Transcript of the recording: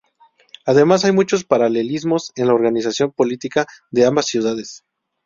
Además, hay muchos paralelismos en la organización política de ambas ciudades.